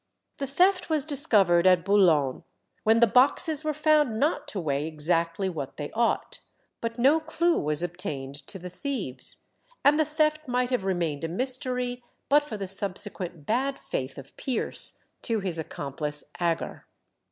The theft was discovered at Boulogne, when the boxes were found not to weigh exactly what they ought. But no clue was obtained to the thieves, and the theft might have remained a mystery but for the subsequent bad faith of Pierce to his accomplice Agar.